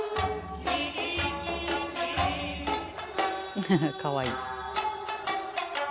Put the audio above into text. フフフかわいい。